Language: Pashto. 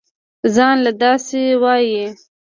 زان له دا سه وايې.